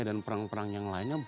dan perang perang yang lainnya